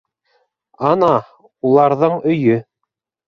Ана, уларҙың өйө.